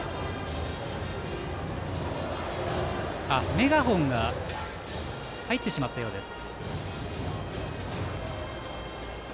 メガホンが入ってしまったようです。